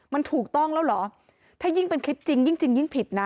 มันถูกต้องแล้วเหรอถ้ายิ่งเป็นคลิปจริงยิ่งจริงยิ่งผิดนะ